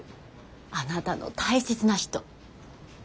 あなたの大切な人。